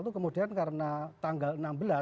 itu kemudian karena tanggal enam belas